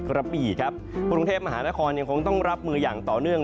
กระบี่ครับกรุงเทพมหานครยังคงต้องรับมืออย่างต่อเนื่อง